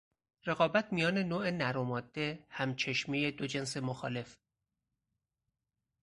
رقابت میان نوع نر و ماده، هم چشمی دو جنس مخالف